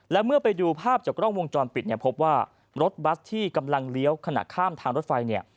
และเมื่อไปดูภาพจากกล้องวงจรปิดเนี่ยพบว่ารถบัสที่กำลังเลี้ยวขณะข้ามทางรถไฟเนี่ย